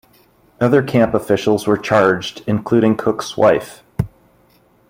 Other camp officials were charged, including Koch's wife.